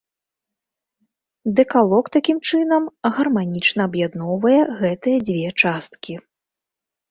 Дэкалог такім чынам гарманічна аб'ядноўвае гэтыя дзве часткі.